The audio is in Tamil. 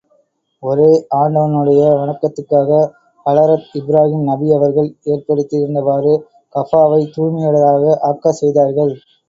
ஒரே ஆண்டவனுடைய வணக்கத்துக்காக ஹலரத் இப்ராகிம் நபி அவர்கள் ஏற்படுத்தியிருந்தவாறு, கஃபாவைத் தூய்மையுடயதாக ஆக்கச் செய்தார்கள்.